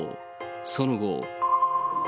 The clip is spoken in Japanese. その後。